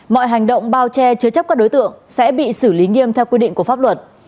mọi hành động bao che chứa chấp các đối tượng sẽ bị xử lý nghiêm theo quy định của pháp luật